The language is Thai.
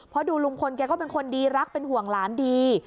เพราะดูลุงพลแกก็เป็นคนดีรักเป็นห่วงหลานดี